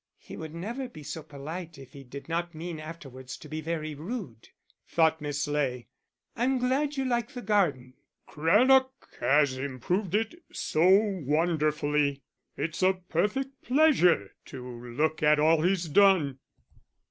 "He would never be so polite if he did not mean afterwards to be very rude," thought Miss Ley. "I'm glad you like the garden." "Craddock has improved it so wonderfully. It's a perfect pleasure to look at all he's done."